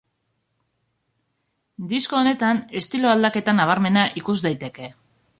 Disko honetan estilo aldaketa nabarmena ikus daiteke.